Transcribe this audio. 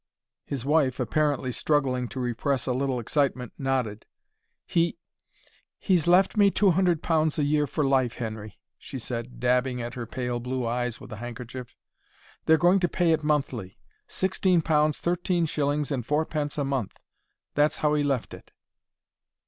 His wife, apparently struggling to repress a little excitement, nodded. "He—he's left me two hundred pounds a year for life, Henry," she said, dabbing at her pale blue eyes with a handkerchief. "They're going to pay it monthly; sixteen pounds thirteen shillings and fourpence a month. That's how he left it."